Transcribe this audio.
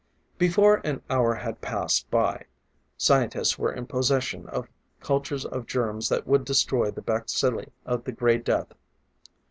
Before an hour had passed by, scientists were in possession of cultures of germs that would destroy the bacilli of the Gray Death.